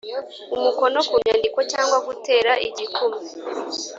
umukono ku nyandiko cyangwa gutera igikumwe